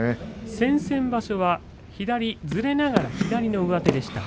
先々場所は左にずれながら左の上手でした。